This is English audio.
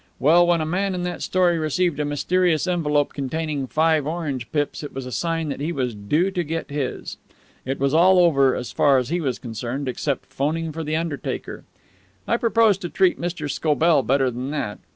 Well, when a man in that story received a mysterious envelope containing five orange pips, it was a sign that he was due to get his. It was all over, as far as he was concerned, except 'phoning for the undertaker. I propose to treat Mr. Scobell better than that.